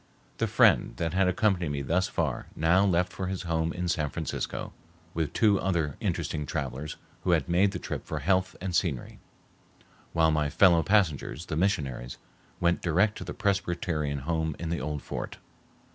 The friend that had accompanied me thus far now left for his home in San Francisco, with two other interesting travelers who had made the trip for health and scenery, while my fellow passengers, the missionaries, went direct to the Presbyterian home in the old fort.